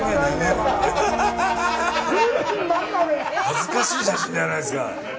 恥ずかしい写真じゃないですか。